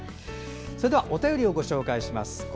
それでは、お便りをご紹介します。